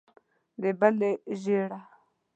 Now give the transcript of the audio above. د بلې ژېړه.